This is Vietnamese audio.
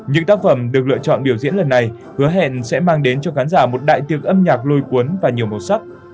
những tác phẩm được lựa chọn biểu diễn lần này hứa hẹn sẽ mang đến cho khán giả một đại tiệc âm nhạc lôi cuốn và nhiều màu sắc